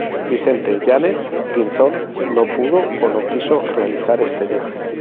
Vicente Yáñez Pinzón no pudo o no quiso realizar este viaje.